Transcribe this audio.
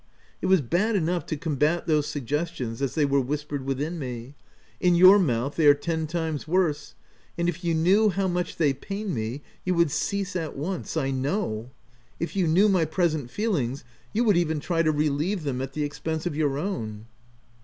It was bad enough to combat those suggestions as they were whispered within me ; in your mouth they are ten times worse, and if you knew how much they pain me you would cease at once, I know. If you knew my present feelings, you would even try to relieve them at the expense of your own.